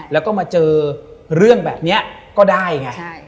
แล้วก็มาเจอเรื่องแบบนี้ก็ได้ไง